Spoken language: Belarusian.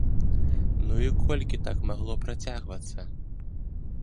Ну і колькі так магло працягвацца?!